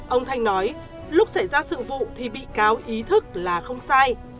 ông thanh nói lúc xảy ra sự vụ thì bị cáo ý thức là không sai